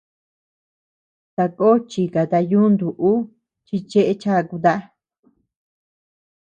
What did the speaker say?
Tako chikata yuntu ú chi cheʼe chakuta.